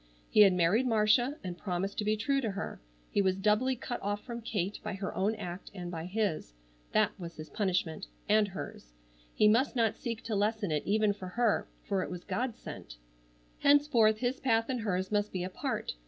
He had married Marcia and promised to be true to her. He was doubly cut off from Kate by her own act and by his. That was his punishment,—and hers. He must not seek to lessen it even for her, for it was God sent. Henceforth his path and hers must be apart.